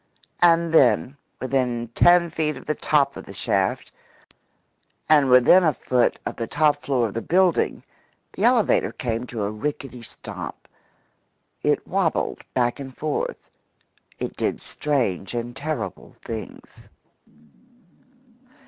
And then, within ten feet of the top of the shaft, and within a foot of the top floor of the building, the elevator came to a rickety stop. It wabbled back and forth; it did strange and terrible things.